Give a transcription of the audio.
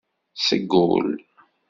Seg ul.